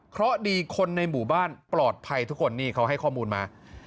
เพราะดีคนในหมู่บ้านปลอดภัยทุกคนนี่เขาให้ข้อมูลมา